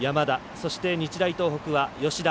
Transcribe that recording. そして、日大東北は吉田。